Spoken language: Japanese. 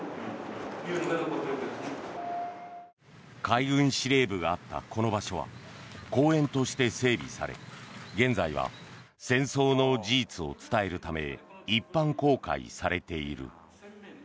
海軍司令部があったこの場所は公園として整備され現在は戦争の事実を伝えるため一般公開されている。